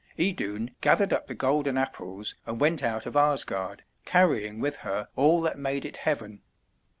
Idun gathered up the golden Apples and went out of Asgard, carrying with her all that made it heaven.